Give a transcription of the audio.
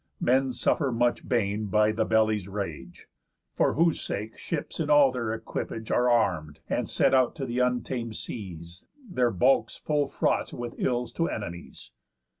Men suffer much bane by the belly's rage; For whose sake ships in all their equipage Are arm'd, and set out to th' untamed seas, Their bulks full fraught with ills to enemies."